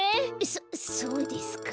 そっそうですか。